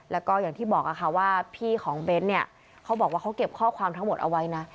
แล้วก็อย่างที่บอกค่ะว่าพี่ของเบ้นเนี่ยเขาบอกว่าเขาเก็บข้อความทั้งหมดเอาไว้นะ